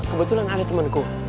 kebetulan ada temenku